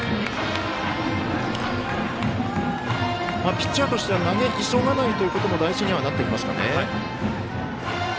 ピッチャーとしては投げ急がないということも大事にはなってきますかね。